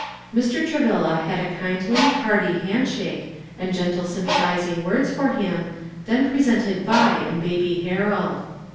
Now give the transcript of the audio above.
Mr. Travilla had a kindly, hearty hand shake, and gentle sympathizing words for him, then presented Vi and Baby Harold.